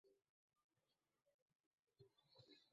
Iymon, borlig‘imni o‘zing qo‘lga ol.